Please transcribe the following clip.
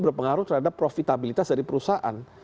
berpengaruh terhadap profitabilitas dari perusahaan